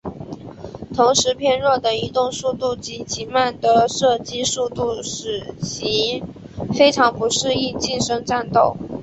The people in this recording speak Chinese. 同时偏弱的移动速度及极慢的射击速度使其非常不适应近身战斗。